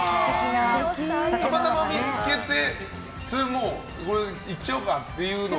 たまたま見つけていっちゃおうかっていうのは。